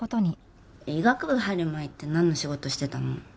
医学部入る前ってなんの仕事してたの？